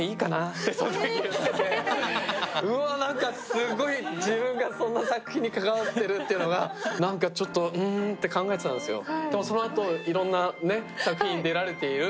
すごい自分がそんな作品に関わってるっていうのがなんかちょっと、うんて考えてたんですけど。